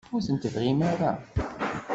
Ur tent-tebɣim ara?